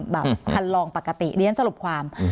บางขันลองปรักติเรียนสรุปความ